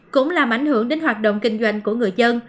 cũng làm ảnh hưởng đến hoạt động kinh doanh của người dân